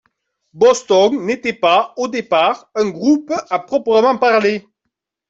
Boston n'était pas, au départ, un groupe à proprement parler.